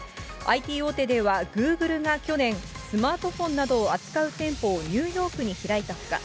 ＩＴ大手では、グーグルが去年、スマートフォンなどを扱う店舗をニューヨークに開いたほか、